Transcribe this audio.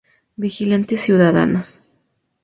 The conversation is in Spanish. Vigilantes ciudadanos.